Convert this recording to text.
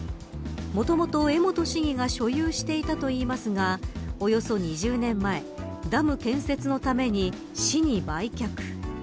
もともと、江本市議が所有していたといいますがおよそ２０年前ダム建設のために市に売却。